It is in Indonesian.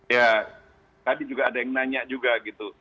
ya tadi juga ada yang nanya juga gitu